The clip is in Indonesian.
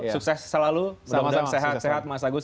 sukses selalu salam sehat sehat mas agus